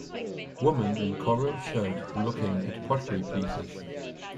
Woman in coral shirt looking at pottery pieces.